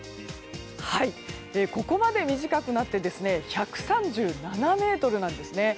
ここまで短くなって１３７ｍなんですね。